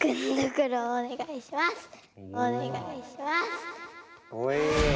お願いします！